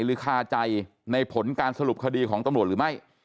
คาใจในผลการสรุปคดีของตำรวจหรือไม่